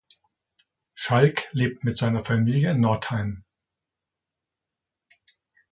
Schalk lebt mit seiner Familie in Northeim.